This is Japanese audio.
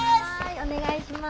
お願いします。